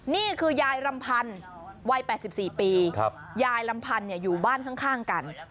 นี่คือยายลำพันธ์วัย๘๔ปียายลำพันธ์อยู่บ้านข้างกัน